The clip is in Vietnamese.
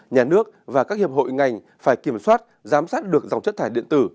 nhà nước và các hiệp hội ngành phải kiểm soát giám sát được dòng chất thải điện tử